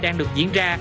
đang được diễn ra